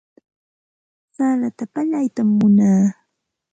Salata pallaytam munaa.